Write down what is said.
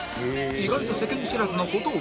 意外と世間知らずの小峠